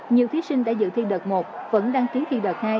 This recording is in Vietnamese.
nhiều thí sinh đã dự thi đợt một vẫn đăng ký thi đợt hai